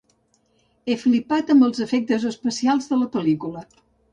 He flipat amb els efectes especials de la pel·lícula.